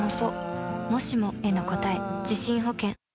「もしも」への答え地震保険。